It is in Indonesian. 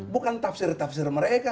bukan tafsir tafsir mereka